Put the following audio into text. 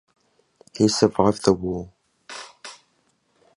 He survived the war.